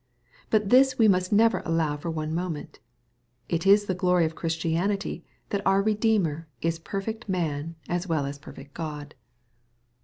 But this we must never allow for one moment. It is the glory of Christianity that our Bedeemer is perfect man as well as perfect God.